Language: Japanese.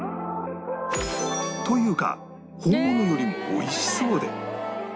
というか本物よりも美味しそうで